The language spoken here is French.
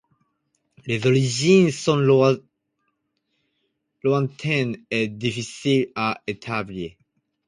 Les origines sont lointaines et difficiles à établir.